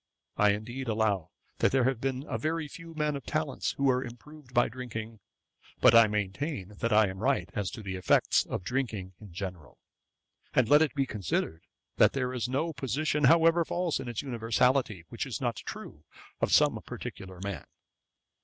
I indeed allow that there have been a very few men of talents who were improved by drinking; but I maintain that I am right as to the effects of drinking in general: and let it be considered, that there is no position, however false in its universality, which is not true of some particular man.'